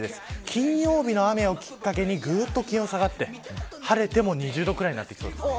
金曜日の雨をきっかけにぐっと気温が下がって晴れても２０度くらいになりそうです。